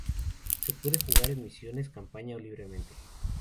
Se puede jugar en misiones, campaña o libremente.